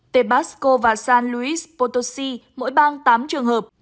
tebasco và san luis potosi mỗi bang tám trường hợp